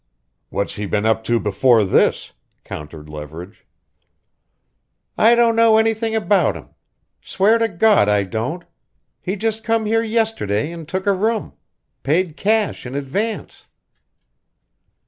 "What's he been up to before this?" countered Leverage. "I don't know anything about him. Swear to Gawd I don't! He just come here yesterday an' took a room. Paid cash in advance."